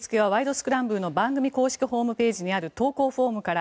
スクランブル」の番組公式ホームページにある投稿フォームから。